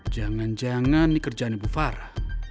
jangan jangan ini kerjaan ibu farah